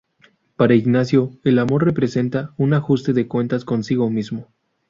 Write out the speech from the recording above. Para Ignacio, el amor representa un ajuste de cuentas consigo mismo.